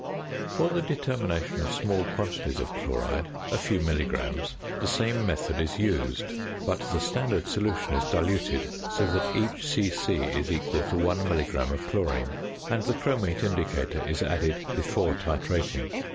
For the determination of small quantities of chloride (a few milligrams), the same method is used; but the standard solution is diluted so that each c.c. is equal to 1 milligram of chlorine; and the chromate indicator is added before titrating.